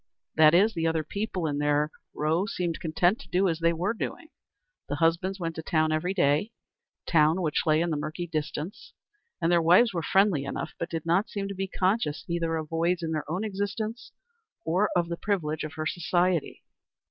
That is, the other people in their row seemed to be content to do as they were doing. The husbands went to town every day town which lay in the murky distance and their wives were friendly enough, but did not seem to be conscious either of voids in their own existence or of the privilege of her society.